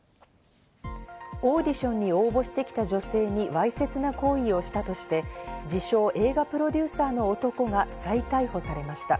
オーディションに応募してきた女性にわいせつな行為をしたとして、自称映画プロデューサーの男が再逮捕されました。